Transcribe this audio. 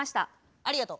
ありがとう。